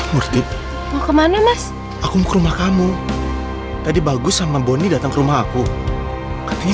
ngerti mau kemana mas aku mau ke rumah kamu tadi bagus sama boni datang ke rumah aku katanya